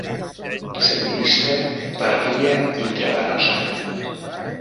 S'administra per via intravenosa.